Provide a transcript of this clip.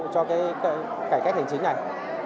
cải cách hành chính này